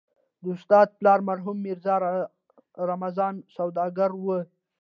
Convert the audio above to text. د استاد پلار مرحوم ميرزا رمضان سوداګر و.